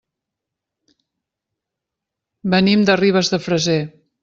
Venim de Ribes de Freser.